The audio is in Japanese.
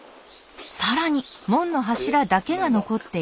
更に。